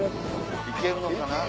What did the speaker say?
行けるのかな？